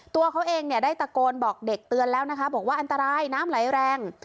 ตัวเขาเองเนี่ยได้ตะโกนบอกเด็กเตือนแล้วนะคะบอกว่าอันตรายน้ำไหลแรง